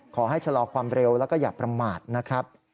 ชะลอความเร็วแล้วก็อย่าประมาทนะครับ